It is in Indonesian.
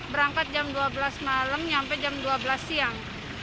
berangkat jam dua belas malam sampai jam dua belas siang